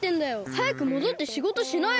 はやくもどってしごとしなよ！